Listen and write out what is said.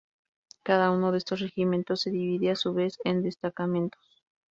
Cada uno de estos regimientos se divide a su vez en destacamentos.